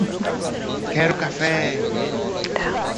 Quero café!